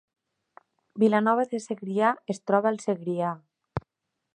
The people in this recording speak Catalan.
Vilanova de Segrià es troba al Segrià